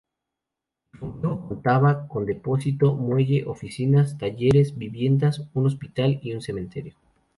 El complejo contaba con depósito, muelle, oficinas, talleres, viviendas, un hospital y un cementerio.